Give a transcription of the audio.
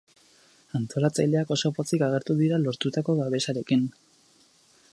Antolatzaileak oso pozik agertu dira lortutako babesarekin.